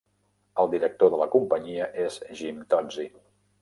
El director de la companyia és Jim Tozzi.